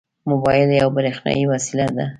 موبایل یوه برېښنایي وسیله ده.